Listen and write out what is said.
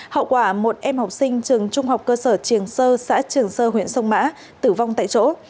hậu quả một em học sinh trường trung học cơ sở trường sơ xã trường sơ huyện sông mã tử vong tại chỗ